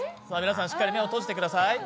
しっかり目を閉じてください。